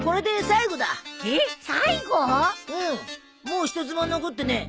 もう一つも残ってねえ。